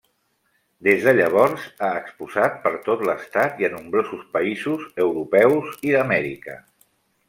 Des de llavors, ha exposat per tot l'Estat i a nombrosos països europeus i d'Amèrica.